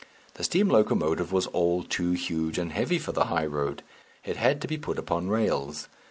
The steam locomotive was all too huge and heavy for the high road it had to be put upon rails.